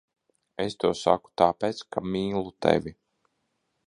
Es to saku tāpēc, ka mīlu tevi.